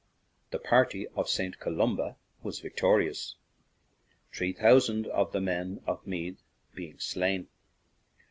The party of St. Columba was victorious, three thousand of the men of Meath being slain.